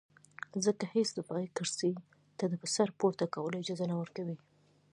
ځکه هېڅ دفاعي کرښې ته د سر پورته کولو اجازه نه ورکوي.